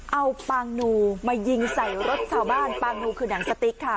เอาปางนูมายิงใส่รถชาวบ้านปางนูคือหนังสติ๊กค่ะ